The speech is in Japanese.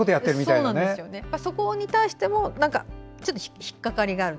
そこに対しても引っ掛かりがある。